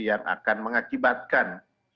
yang akan mengakibatkan